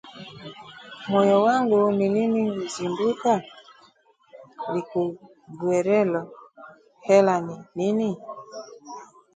Moyo wangu, nini huzundukani! Likughurielo, hela, ni nini?